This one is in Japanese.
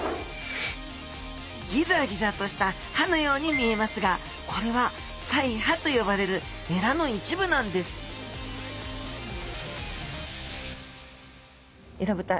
ギザギザとした歯のように見えますがこれは鰓耙と呼ばれるエラの一部なんですエラブタ。